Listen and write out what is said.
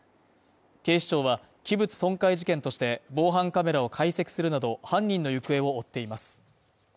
警視庁は器物損壊事件として防犯カメラを解析するなど、犯人の行方を追っています。